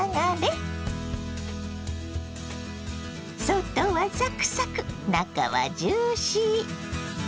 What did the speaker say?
外はサクサク中はジューシー！